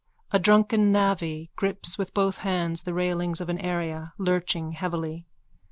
A drunken navvy grips with both hands the railings of an area, lurching heavily.